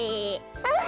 うん！